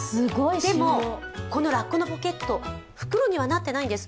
でも、このラッコのポケット、袋にはなっていないんです。